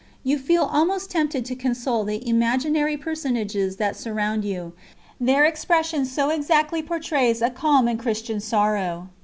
You feel almost tempted to console the imaginary personages that surround you, their expression so exactly portrays a calm and Christian sorrow.